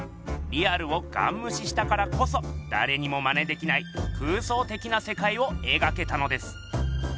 リアルをガンむししたからこそだれにもマネできない空想的なせかいをえがけたのです。